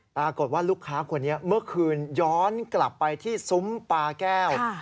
ปรากฏว่าลูกค้าคนนี้เมื่อคืนย้อนกลับไปที่ซุ้มปลาแก้ว